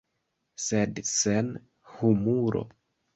Sed sen humuro.